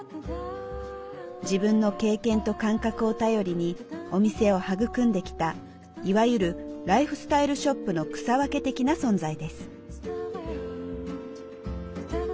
自分の経験と感覚を頼りにお店を育んできたいわゆるライフスタイルショップの草分け的な存在です。